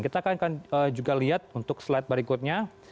kita akan juga lihat untuk slide berikutnya